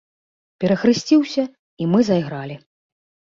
Перахрысціўся, і мы зайгралі.